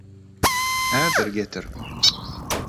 Häzir getir.